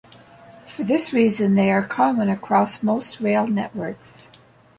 For this reason they are common across most rail networks.